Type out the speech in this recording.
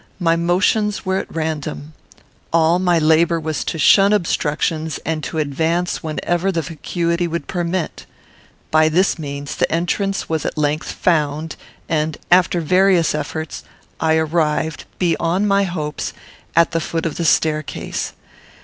My motions were at random. All my labour was to shun obstructions and to advance whenever the vacuity would permit. By this means, the entrance was at length found, and, after various efforts, I arrived, beyond my hopes, at the foot of the staircase.